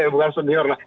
bukan senior lah